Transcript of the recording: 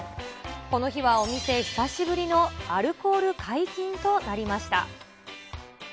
この日はお店久しぶりのアルコール解禁となりました。